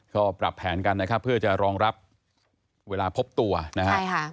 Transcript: ก็ปรับแผนกันนะครับเพื่อจะรองรับเวลาพบตัวนะฮะใช่ค่ะ